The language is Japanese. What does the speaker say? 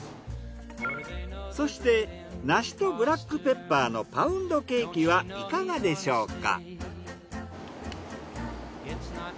そして梨とブラックペッパーのパウンドケーキはいかがでしょうか？